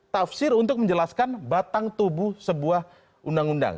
tafsir untuk menjelaskan batang tubuh sebuah undang undang